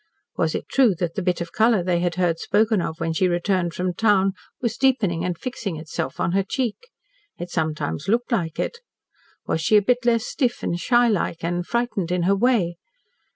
Was it true that the bit of colour they had heard spoken of when she returned from town was deepening and fixing itself on her cheek? It sometimes looked like it. Was she a bit less stiff and shy like and frightened in her way?